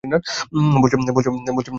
বলছে জানে না।